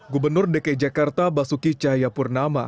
gubernur dki jakarta basuki cahayapurnama